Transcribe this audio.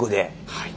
はい。